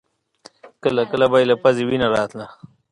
کله کله به يې له پزې وينه راتله.